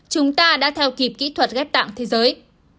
chúng ta đã theo kịp kỹ thuật ghép tạng thế giới